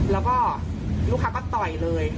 แล้วก็ลูกค้าก็ต่อยเลย